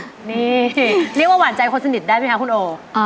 นี่เรียกว่าหวานใจคนสนิทได้ไหมคะคุณโอ